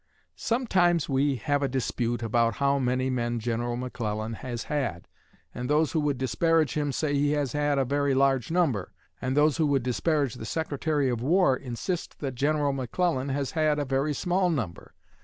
Sometimes we have a dispute about how many men General McClellan has had, and those who would disparage him say he has had a very large number, and those who would disparage the Secretary of War insist that General McClellan has had a very small number.